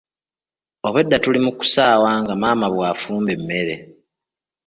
Obwedda tuli mu kusaawa nga maama bw'afumba emmere.